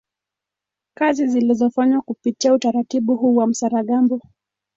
Kazi zilizofanywa kupitia utaratibu huu wa msaragambo